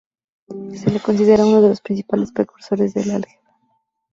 Se le considera uno de los principales precursores del álgebra.